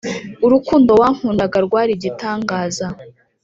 Urukundo wankundaga rwari igitangaza